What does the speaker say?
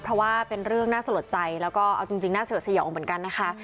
เพราะว่าเป็นเรื่องหน้าสะหรับใจแล้วก็เอาจริงหน้าเสือกเสียงเห็นเว้วกันนะคะ